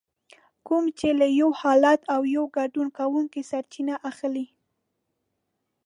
کوم چې له يو حالت او يا ګډون کوونکي سرچينه اخلي.